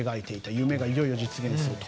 夢がいよいよ実現すると。